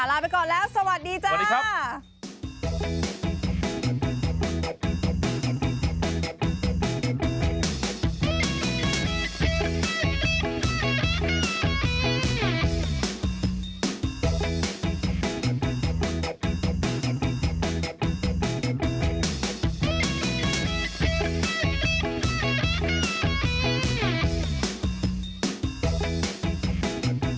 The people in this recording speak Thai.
ลาไปก่อนแล้วสวัสดีจ้าสวัสดีครับ